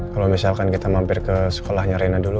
kalo misalkan kita mampir ke sekolahnya rina dulu